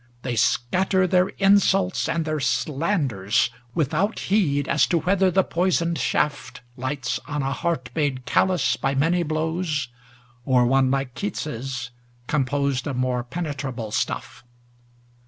They scatter their insults and their slanders without heed as to whether the poisoned shaft lights on a heart made callous by many blows, or one like Keats's composed of more penetrable stuff.